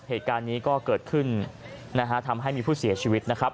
เหตุการณ์นี้ก็เกิดขึ้นนะฮะทำให้มีผู้เสียชีวิตนะครับ